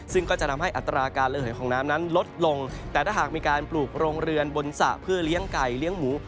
ซึ่งก็จะทำให้อัตราการระเหยของน้ำนั้นลดลงแต่ถ้าหากมีการปลูกโรงเรือนบนสระเพื่อเลี้ยงไก่เลี้ยงหมู